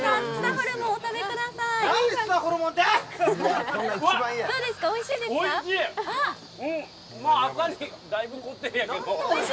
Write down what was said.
ホルモン、お食べください。